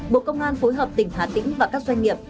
bộ công an phối hợp tỉnh hà tĩnh và các doanh nghiệp